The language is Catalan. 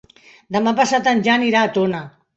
Demà passat en Jan irà a Tona.